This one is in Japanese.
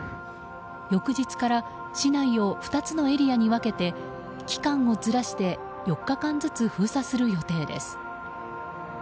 翌日から市内を２つのエリアに分けて期間をずらして４日間ずつ封鎖する予定です。